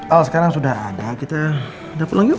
al sekarang sudah ada kita udah pulang yuk